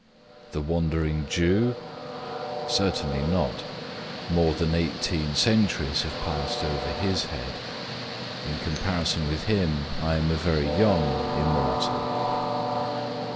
The Wandering Jew? certainly not. More than eighteen centuries have passed over his head. In comparison with him, I am a very young Immortal.